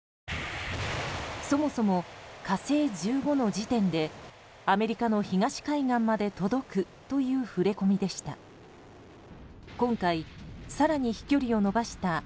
そもそも「火星１５」の時点でアメリカの東海岸まで届くという触れ込みでした。